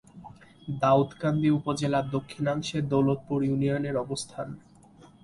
দাউদকান্দি উপজেলার দক্ষিণাংশে দৌলতপুর ইউনিয়নের অবস্থান।